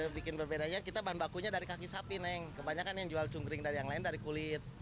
bikin berbedanya kita bahan bakunya dari kaki sapi neng kebanyakan yang jual cungkring dari yang lain dari kulit